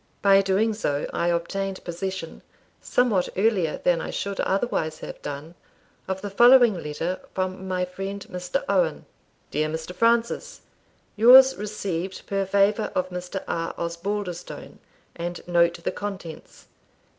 By doing so, I obtained possession, somewhat earlier than I should otherwise have done, of the following letter from my friend Mr. Owen: "Dear Mr. Francis, "Yours received per favour of Mr. R. Osbaldistone, and note the contents.